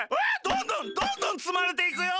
どんどんどんどんつまれていくよ。